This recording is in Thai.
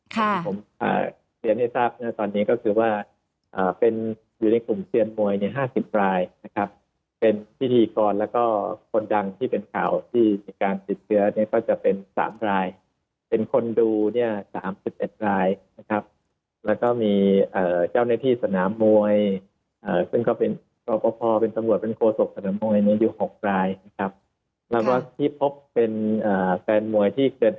ค่ะผมอ่าเปลี่ยนให้ทราบเนี่ยตอนนี้ก็คือว่าอ่าเป็นอยู่ในกลุ่มเชียรมวยเนี่ย๕๐รายนะครับเป็นพิธีกรแล้วก็คนดังที่เป็นข่าวที่ในการติดเชื้อเนี่ยก็จะเป็น๓รายเป็นคนดูเนี่ย๓๑รายนะครับแล้วก็มีอ่าเจ้าหน้าที่สนามมวยอ่าซึ่งก็เป็นก็พอเป็นสมรวจบรรคโศกสนามมวยเนี่ยอยู่๖รายนะครับแล้วก็ที่พ